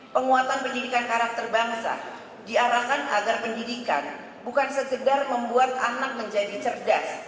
penguatan pendidikan karakter bangsa diarahkan agar pendidikan bukan sekedar membuat anak menjadi cerdas